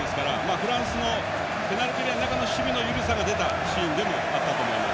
フランスのペナルティーエリアの中での守備の緩さが出たシーンでもあったと思います。